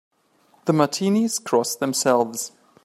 The Martinis cross themselves.